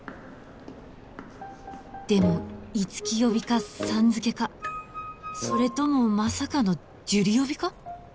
でも「五木」呼びか「さん」付けかそれともまさかの「樹里」呼びか？